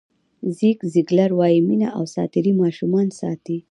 زیګ زیګلر وایي مینه او ساعتېرۍ ماشومان ساتي.